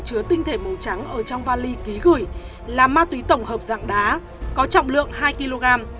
chứa tinh thể màu trắng ở trong vali ký gửi là ma túy tổng hợp dạng đá có trọng lượng hai kg